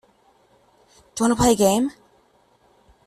Do you want to play a game.